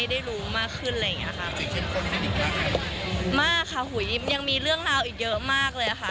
ได้รู้มากขึ้นอะไรอย่างเงี้ยค่ะมากค่ะหูยยิ้มยังมีเรื่องราวอีกเยอะมากเลยค่ะ